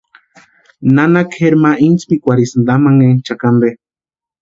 Nana kʼeri ma intspekwarhisïnti amanhenchakwa ampe.